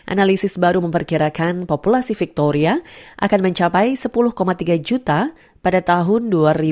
analisis baru memperkirakan populasi victoria akan mencapai sepuluh tiga juta pada tahun dua ribu lima puluh satu